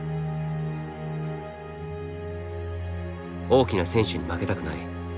大きな選手に負けたくない。